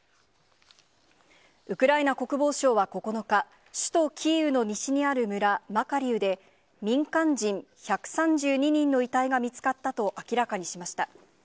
ウクライナ国防省は９日、首都キーウの西にある村、マカリウで、民間人１３２人の遺体が見つかったと明らかにしました。